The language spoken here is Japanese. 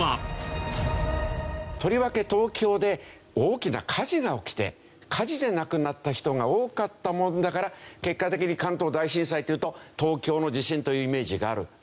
とりわけ東京で大きな火事が起きて火事で亡くなった人が多かったものだから結果的に関東大震災っていうと東京の地震というイメージがあるという事ですね。